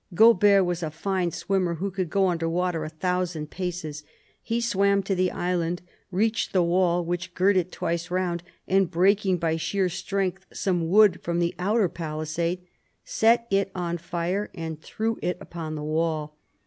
Gaubert was a fine swimmer, who could go under water a thousand paces. He swam to the island, reached the wall which girt it twice round, and breaking by sheer strength some wood from the outer palisade, set it on fire and threw it upon the wall.